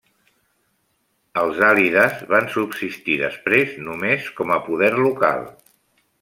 Els alides van subsistir després només com a poder local.